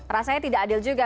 rasanya tidak adil juga